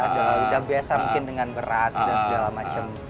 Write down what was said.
sudah biasa mungkin dengan beras dan segala macam